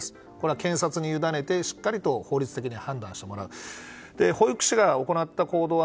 検察にゆだねて、しっかりと法律的に判断してもらう。